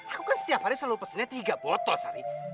aku kan setiap hari selalu pesennya tiga botol sari